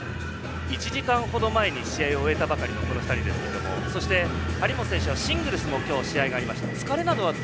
１時間ほど前に試合を終えたばかりの２人ですが張本選手はシングルスも今日、試合がありました。